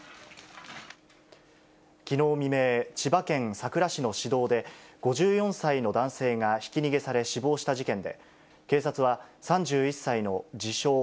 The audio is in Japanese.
きのう未明、千葉県佐倉市の市道で、５４歳の男性がひき逃げされ、死亡した事件で、警察は、３１歳の自称